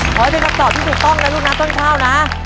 ขอให้เป็นคำตอบที่ถูกต้องนะลูกนะต้นข้าวนะ